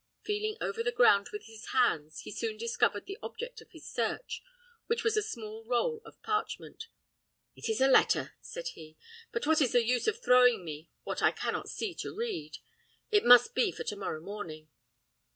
Feeling over the ground with his hands, he soon discovered the object of his search, which was a small roll of parchment. "It is a letter," said he; "but what is the use of throwing me what I cannot see to read? It must be for to morrow morning."